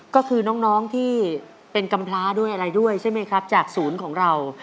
ก็คือน้องที่เป็นกำพลาด้วยอะไรด้วยใช่ไหมครับจากศูนย์ของเรา